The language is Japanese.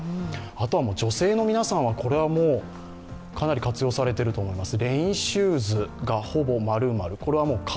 あとは女性の皆さんは、これはかなり活用されていると思います。